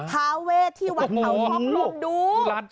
ทาเวศที่วัดเท้าพร้อมรวมดู